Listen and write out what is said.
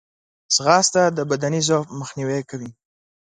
ځغاسته د بدني ضعف مخنیوی کوي